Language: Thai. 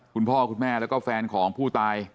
คุณพ่อคุณแม่แล้วก็แฟนของผู้ตาย